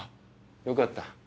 よかった。